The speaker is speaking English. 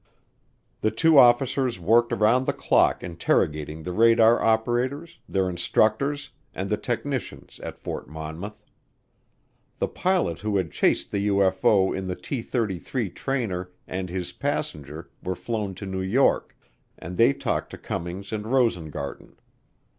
The two officers worked around the clock interrogating the radar operators, their instructors, and the technicians at Fort Monmouth. The pilot who had chased the UFO in the T 33 trainer and his passenger were flown to New York, and they talked to Cummings and Rosengarten.